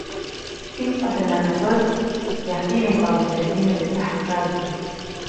ʼIjtpasenaka säk, yajkkiʼmyajpabädeʼe nimeke tsajpkabe.